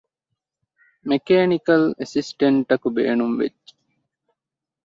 މެކޭނިކަލް އެސިސްޓެންޓަކު ބޭނުންވެއްޖެ